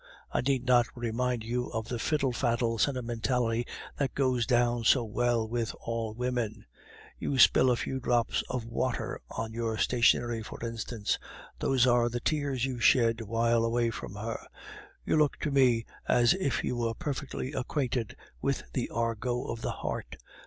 I need not remind you of the fiddle faddle sentimentality that goes down so well with all women; you spill a few drops of water on your stationery, for instance; those are the tears you shed while far away from her. You look to me as if you were perfectly acquainted with the argot of the heart.